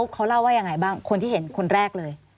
เขาเล่าว่ายังไงบ้างคนที่เห็นคนแรกเลย